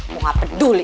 mau gak peduli